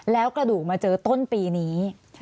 แล้วกระดูกมาเจอต้นปีนี้